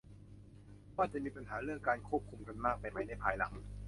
ว่าจะมีปัญหาเรื่องการควบคุมกันมากไปไหมในภายหลัง